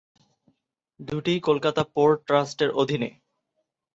দুটিই কলকাতা পোর্ট ট্রাস্টের অধীনে।